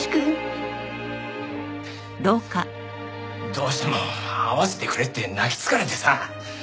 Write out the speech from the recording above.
どうしても会わせてくれって泣きつかれてさ。